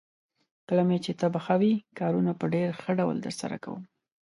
کله مې چې طبعه ښه وي، کارونه په ډېر ښه ډول ترسره کوم.